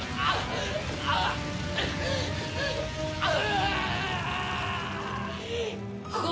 ああ！